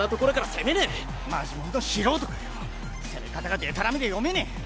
攻め方がデタラメで読めねえ！